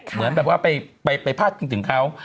เหมือนแบบว่าไปพาดพิงถึงเขา